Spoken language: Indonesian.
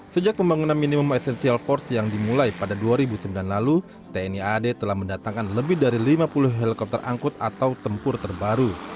sejak pembangunan minimum essential force yang dimulai pada dua ribu sembilan lalu tni aad telah mendatangkan lebih dari lima puluh helikopter angkut atau tempur terbaru